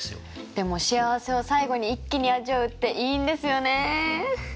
でも幸せを最後に一気に味わうっていいんですよね。